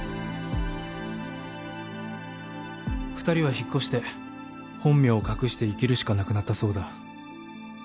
２人は引っ越して本名を隠して生きるしかなくなったそうだ。